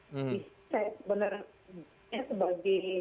saya sebenarnya sebagai